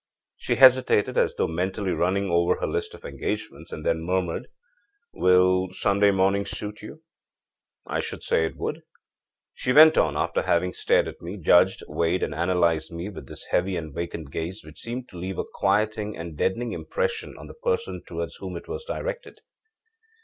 âShe hesitated, as though mentally running over her list of engagements, and then murmured: â'Will Sunday morning suit you?' â'I should say it would!' âShe went on, after having stared at me, judged, weighed and analyzed me with this heavy and vacant gaze which seemed to leave a quieting and deadening impression on the person towards whom it was directed.